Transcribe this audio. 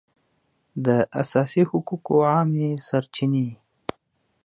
د اساسي حقوقو عامې سرچینې